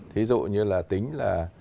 thí dụ như là tính là